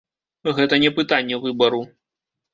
Гэта не пытанне выбару.